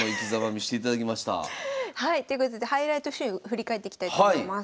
はいということでハイライトシーン振り返っていきたいと思います。